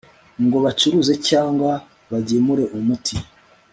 ngo bacuruze cyangwa bagemura umuti